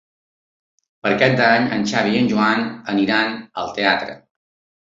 Per Cap d'Any en Xavi i en Joan iran al teatre.